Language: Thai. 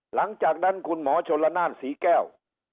หลังจากนั้นคุณหมอชนละนานศรีแก้ว